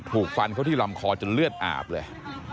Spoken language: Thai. ถูกฟันเขาที่ลำคอจนเลือดอาบเลย